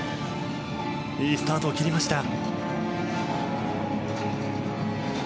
いいスタートを切りました。